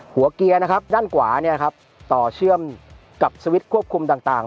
หัวเกียร์ด้านขวาต่อเชื่อมกับสวิตช์ควบคุมต่าง